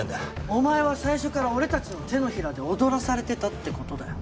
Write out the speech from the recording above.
お前は最初から俺たちの手のひらで踊らされてたって事だよ。